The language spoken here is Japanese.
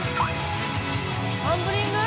タンブリング？